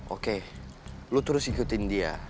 oke lu terus ikutin dia